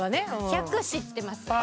１００知ってます。